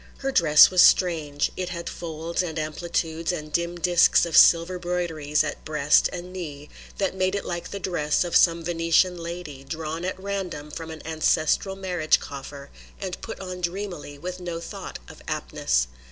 Her dress was strange; it had folds and amplitudes and dim disks of silver broideries at breast and knee that made it like the dress of some Venetian lady, drawn at random from an ancestral marriage coffer and put on dreamily with no thought of aptness.